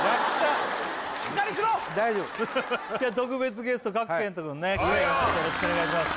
しっかりしろ今日は特別ゲスト賀来賢人くんねよろしくお願いします